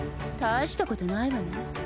大したことないわね。